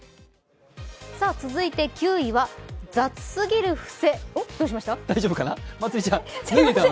続いて９位は雑すぎる伏せ。